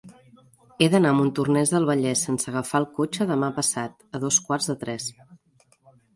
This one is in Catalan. He d'anar a Montornès del Vallès sense agafar el cotxe demà passat a dos quarts de tres.